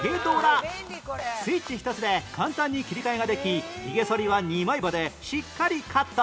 スイッチ１つで簡単に切り替えができひげそりは２枚刃でしっかりカット